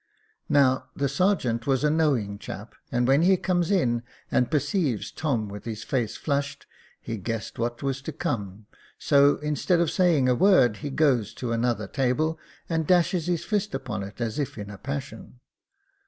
Now, the sergeant was a knowing chap, and when he comes in, and perceives Tom with his face flushed, he guesses what was to come, so, instead of saying a word, he goes to another table, and dashes his fist upon it, as if in a passion.